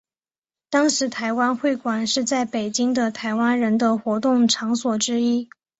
当时台湾会馆是在北京的台湾人的活动场所之一。